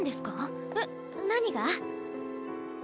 えっ何が？